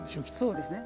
そうですね。